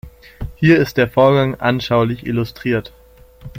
Hier ist der Vorgang anschaulich illustriert.